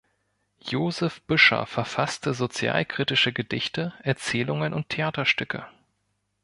Josef Büscher verfasste sozialkritische Gedichte, Erzählungen und Theaterstücke.